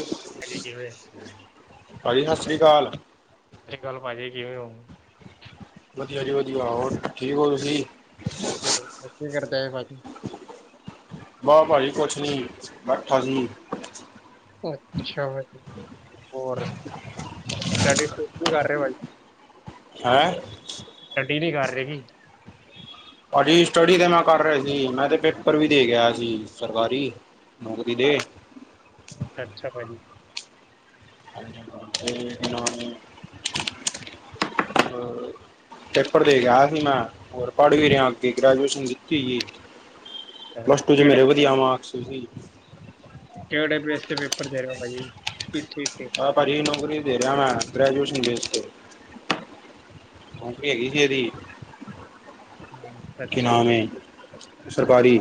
[inaudible] ਭਾਜੀ, ਕਿਵੇਂ ਸ ਭਾਜੀ, ਸਤਿ ਸ਼੍ਰੀ ਅਕਾਲ। ਰੀ ਅਕਾਲ, ਭਾਜੀ, ਕਿਵੇਂ ਓ? ਵਧੀਆ ਜੀ, ਵਧੀਆ। ਹੋਰ, ਠੀਕ ਹੋ ਤੁਸੀ? ਜੇ, ਕੀ ਕਰਦਾ ਏ ਭਾਜੀ? ਬਹ ਭਾਜੀ ਕੁਛ ਨੀ, ਬੈਠਾ ਸੀ। ਅੱਛਾ। ਹੋਰ, ਟੈਡੀ ਕੂ, ਕੂ ਕਰ ਰਿਹਾ ਭਾਜੀ। ਹੈਂ! ਸਟੱਡੀ ਕਰ ਰਹੇ ਸੀ। ਭਾਜੀ, ਸਟੱਡੀ ਤੇ ਮੈਂ ਕਰ ਰਿਹਾ ਸੀ, ਮੈਂ ਤੇ ਪੇਪਰ ਵੀ ਦੇਕੇ ਆਇਆ ਸੀ, ਸਰਕਾਰੀ। ਨੋਕਰੀ ਦੇ। ਅੱਛਾ, ਭਾਜੀ। ਜਨਾਂ [unintelligible] ਪੇਪੜ ਦੇਕੇ ਆਇਆ ਸੀ, ਮੈਂ। ਹੋਰ, ਪੜ੍ਹ ਵੀ ਰਿਹਾਂ ਅੱਗੇ ਗ੍ਰੈਜੂਏਸ਼ਨ ਦਿੱਤੀ ਹੈ। ਅੱਛਾ। ਪਲੱਸ-ਟੂ'ਚ ਮੇਰੇ ਕਿਹੜੇ ਵਧੀਆ ਮਾਰਕਸ ਸੀ, ਜੀ। ਕਿਹੜੇ ਬੇਸ ਤੇ ਪੇਪਰ ਦੇ ਰਹੇ ਹੋ, ਭਾਜ? ਈਠ ਈਟ ਤੇ। ਆ ਭਾਜੀ ਨੌਕਰੀ ਦੇ ਰਿਹਾਂ, ਮੈਂ। ਗ੍ਰੈਜੂਏਸ਼ਨ ਬੇਸ ਤੇ। ਨੌਕਰੀ ਹੈਗੀ, ਕਿਹੜੀ? ਹਂ ਕੀ ਨਾਮ ਏ, ਸਰਕਾਰੀ।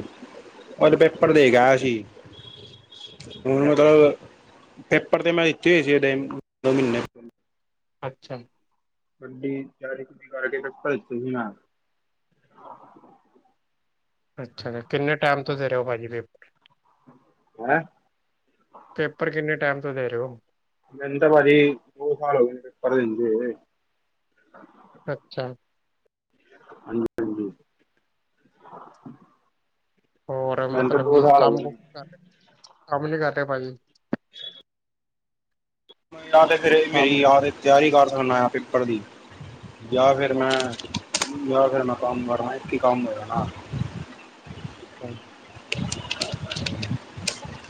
ਉਹਦੇ ਪੇਪਰ ਦੇਕੇ ਆਇਆ ਸੀ। ਹੁਣ ਅੱਛਾ ਭਾਜੀ ਮਤਲਬ ਪੇਪਰ ਤੇ, ਮੈਂ ਦਿੱਤੇ ਹੋਏ ਸੀ, ਓਹਦੇ ਦੋ ਮਹੀਨੇ। ਅੱਛਾ। ਗੱਡੀ, ਚੜਦੀ ਕਰਕੇ ਫਿਰ ਭੇਜੁ ਨਾ। ਅੱਛਾ, ਫਿਰ ਕਿੰਨੇ ਟਾਈਮ ਤੋਂਂ ਦੇ ਰਹੋ ਭਾਜੀ ਪੇਪ? ਹੈਂ? ਪੇਪਰ, ਕਿੰਨੇ ਟਾਈਮ ਤੋਂ ਦੇ ਰਹੇ ਹੋ? ਮੈਨੰ ਤਾਂ ਭਾਜੀ ਦੋ-ਸਾਲ ਹੋ ਗਏ ਨੇ, ਪੇਪਰ ਦਿੰਦੇ ਹੋਏ। ਅੱਛਾ। ਹਾਂਜੀ-ਹਾਂਜੀ। ਹੋਰ, ਮਤਲਬ ਕਿ, ਗਏ ਕੰਮ-ਕੁਮ ਨੇ ਨੀ ਕਰ ਰਹੇ, ਕੰਮ ਨੀ ਕਰਦੇ, ਭਾਜੀ? ਯਾ ਤੇ ਫਿਰ, ਮੇਰੀ ਕੰਮ ਕੁ- ਯਾਰ ਤਿਆਰੀ ਕਰ ਸਕਨਾਂ ਹਾਂ। ਪੇਪਰ ਦੀ। ਯਾ ਫਿਰ ''ਮੈਂ ਅੱਛਾ ਯਾ ਫਿਰ ''ਮੈਂ ਕੰਮ ਕਰਨਾ ਇੱਕ ਹੀ ਕੰਮ ਹੋਇਆ ਨਾ। ਹਾਂ।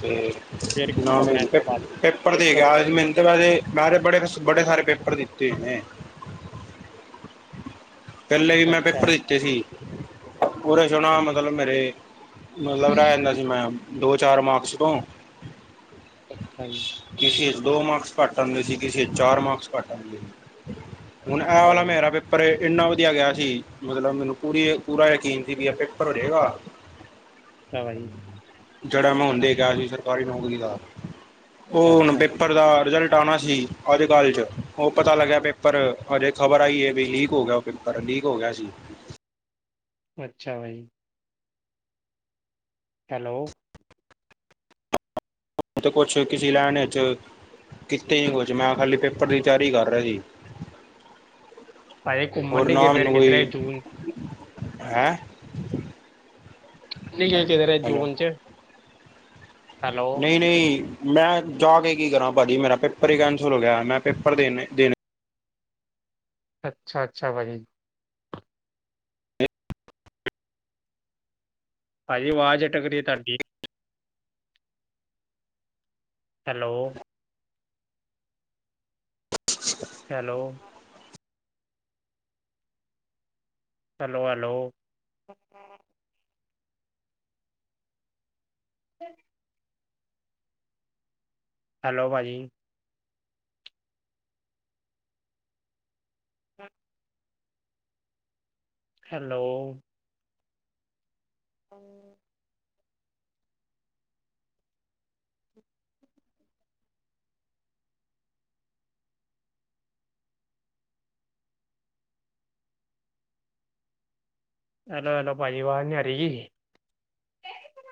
ਤੇ ਫਿਰ ਕੀ ਨਾਂ, ਮੇਂ, ਕਰਨਾ ਇਸ ਤੋਂ ਪੇਪਰ, ਬਾਅਦ ਪੇਪਰ ਦੇਕੇ ਆਇਆ ਸੀ, ਮ੍ਹੀਨ ਦੁਪਹਿਰੇ। ਮੇ ਤੇ ਬੜੇ-ਬੜੇ ਸਾਰੇ ਪੇਪਰ ਦਿੱਤੇ ਨੇ। ਪਹਿਲੇ ਵੀ ਮੈਂ ਅੱਛਾ ਪੇਪਰ ਦਿੱਤੇ ਸੀ ਉਨ੍ਹਾਂ ਵਿੱਚੋ ਨਾ ਪੂਰੇ ਮਤਲਬ ਮੇਰੇ। ਮਤਲਬ ਰਹਿ ਜਾਂਦਾ ਸੀ ਮੈਂ ਦੋ ਚਾਰ ਮਾਰਕਸ ਤੋਂ। ਹਾਂਜੀ। ਕਿਸੇ ਵਿਚ ਦੋ ਮਾਰਕਸ ਘੱਟ ਆਉਂਦੇ ਸੀ ਕਿਸੇ ਚਾਰ ਮਾਰਕਸ ਘੱਟ ਆਉਂਦੇ ਸੀ। ਹੁਣ ਇਹ ਵਾਲਾ ਭਾਜੀ ਮੇਰਾ ਪੇਪਰ ਏ। ਇੰਨਾ ਵਧੀਆ ਗਿਆ ਸੀ ਮਤਲਬ ਮੈਨੂੰ ਪੂਰੀ ਪੂਰਾ ਯਕੀਨ ਸੀ ਵੀ ਪੇਪਰ ਹੋ ਜਾਏਗਾ। [unintelligible] [inaudible] ਤਾਂ ਹੀ। ਜਿਹੜਾ [inaudible] ਜੀ ਸਰਕਾਰੀ ਨੌਕਰੀ ਦਾ ਉਹ ਹੁਣ ਪੇਪਰ ਦਾ ਰਿਜਲਟ ਆਉਣਾ ਸੀ ਅੱਜ ਕੱਲ੍ਹ ਚ ਉਹ ਪਤਾ ਲੱਗਿਆ ਪੇਪਰ ਹਜੇ ਖ਼ਬਰ ਆਈ ਹੈ ਵੀ ਲੀਕ। ਹੋ ਗਿਆ ਉਹ ਪੇਪਰ ਲੀਕ ਹੋ ਗਿਆ ਸੀ। ਅੱਛਾ ਬਾਈ। ਹੈਲੋ? ਤੇ ਕੁਛ ਕਿਸੇ ਲੈਣ ਚ। ਕਿਤੇ ਨ ਕੁਛ ਮੈਂ ਖਾਲੀ ਪੇਪਰ ਦੀ ਤਿਆਰੀ ਕਰ ਰਿਹਾ ਸੀ। ਭਾਈ ਘੁੰਮਣ ਨਹੀਂ ਗਏ ਫੇਰ ਕਿੱਧਰੇ ਜੂਨ? ਹੈਂ? ਅਸੀਂ ਨਹੀਂ ਗਏ ਕਿਧਰੇ ਜੂਨ ਚ। ਨਹੀਂ-ਨਹੀਂ ਮੈਂ ਜਾ ਕੇ ਕੀ ਕਰਾਂ ਭਾਜੀ ਮੇਰਾ ਪੇਪਰ ਹੀ ਕੈਂਸਲ ਹੋ ਗਿਆ ਮੈਂ ਪੇਪਰ ਦੇਣੇ ਦੇਣਾ। ਅੱਛਾ-ਅੱਛਾ ਭਾਜੀ। ਭਾਜੀ ਆਵਾਜ਼ ਅਟਕ ਰਹੀ ਤੁਹਾਡੀ। ਹੈਲੋ? ਅ ਹੈਲੋ? Hello hello? ਠ ਹੈਲੋ ਭਾਜੀ? ਹ ਹੈਲੋ? ਹ ਹੈਲੋ, ਹੈਲੋ ਭਾਜੀ ਅਵਾਜ ਨਹੀਂ ਆ ਰਹੀ ਜੀ।